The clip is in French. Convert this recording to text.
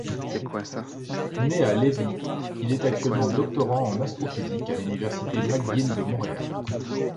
Né à Lévis, il est actuellement doctorant en astrophysique à l'Université McGill de Montréal.